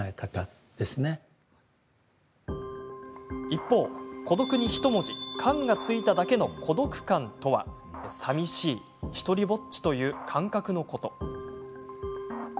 一方「孤独」に、ひと文字「感」が付いただけの孤独感とはさみしい、独りぼっちという感覚のこと。